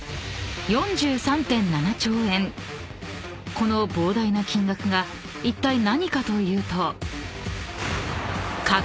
［この膨大な金額がいったい何かというと］